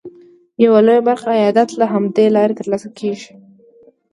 یوه لویه برخه عایدات له همدې لارې ترلاسه کېږي.